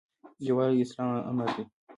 یووالی د اسلام امر دی